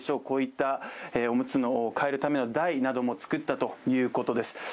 こういったおむつを替えるための台も作ったということです。